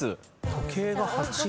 「時計」が８位。